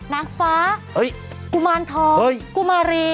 นางฟ้ากุมารทองกุมารี